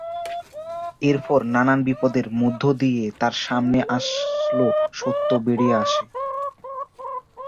এর পর নানান বিপদের মধ্যদিয়ে তার সামনে আসল সত্য বেড়িয়ে আসে।